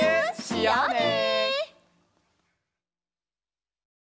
しようね！